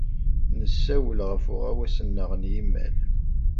Nessawel ɣef uɣawas-nneɣ n yimal.